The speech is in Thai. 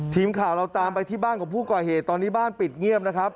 ทีมข่าวเราตามไปที่บ้านของผู้ก่อเหตุตอนนี้บ้านปิดเงียบนะครับ